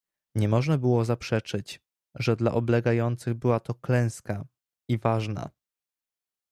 "Nie można było zaprzeczyć, że dla oblegających była to klęska, i ważna."